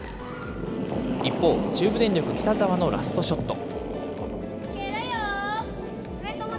一方、中部電力、北澤のラストショット。